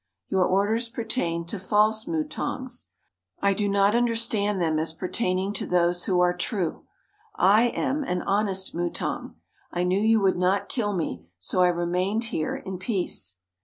Your orders pertain to false mutangs; I do not understand them as pertaining to those who are true. I am an honest mutang; I knew you would not kill me, so I remained here in peace."